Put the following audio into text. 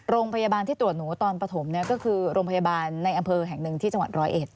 โรงพยาบาลที่ตรวจหนูตอนปฐมก็คือโรงพยาบาลในอำเภอแห่งหนึ่งที่จังหวัดร้อยเอ็ด